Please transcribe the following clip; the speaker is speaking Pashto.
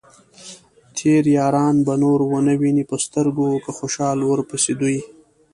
تېر ياران به نور ؤنه وينې په سترګو ، که خوشال ورپسې دوې